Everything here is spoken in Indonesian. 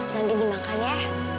nanti dimakan ya